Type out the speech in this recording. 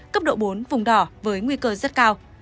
cấp độ bốn vùng đỏ với nguy cơ rất cao